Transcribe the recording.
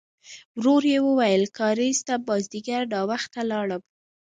ورو يې وویل: کارېز ته مازديګر ناوخته لاړم.